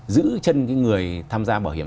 giữ chân cái người tham gia bảo hiểm